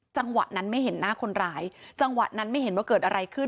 จังหวะนั้นไม่เห็นหน้าคนร้ายจังหวะนั้นไม่เห็นว่าเกิดอะไรขึ้น